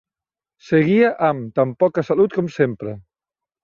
Seguia am tan poca salut com sempre